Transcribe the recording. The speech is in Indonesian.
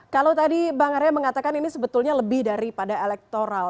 kalau tadi bang arya mengatakan ini sebetulnya lebih daripada elektoral